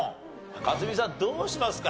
克実さんどうしますか？